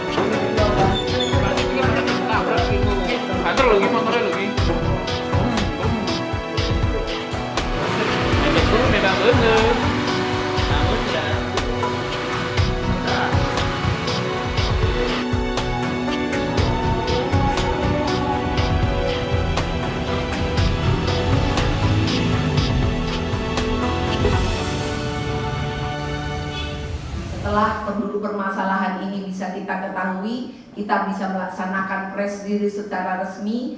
setelah penutup permasalahan ini bisa kita ketahui kita bisa melaksanakan press diri secara resmi